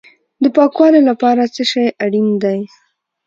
د پاکوالي لپاره څه شی اړین دی؟